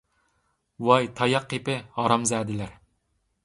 ۋاي تاياق قېپى ھازامزادىلەر!